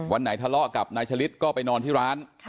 วันไหนทะเลาะกับนายฉลิดก็ไปนอนที่ร้าน